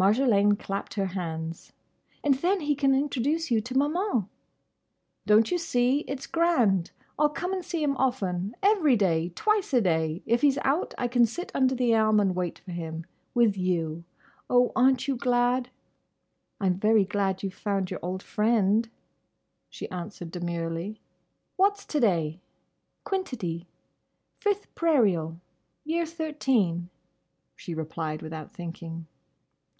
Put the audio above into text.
Marjolaine clapped her hands. "And then he can introduce you to Maman!" "Don't you see? It's grand! I'll come and see him often—every day—twice a day. If he 's out, I can sit under the elm and wait for him—with you. Oh! are n't you glad?" "I'm very glad you 've found your old friend," she answered demurely. "What's to day?" "Quintidi. Fifth Prairial. Year Thirteen—" she replied without thinking.